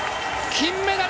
金メダル！